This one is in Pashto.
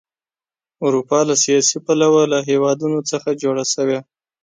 اروپا له سیاسي پلوه له هېوادونو څخه جوړه شوې.